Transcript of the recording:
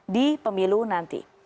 di pemilu nanti